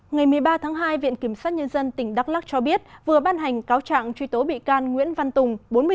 ngày một mươi ba tháng hai viện kiểm soát nhân dân tỉnh đắk lắc cho biết vừa ban hành cáo trạng truy tố bị can nguyễn văn tùng bốn mươi tuổi